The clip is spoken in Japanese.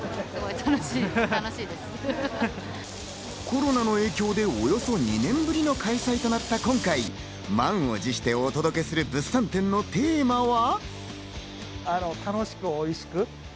コロナの影響でおよそ２年ぶりの開催となった今回、満を持してお届けする物産展のテーマは？